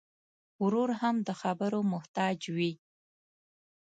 زورور هم د خبرو محتاج وي.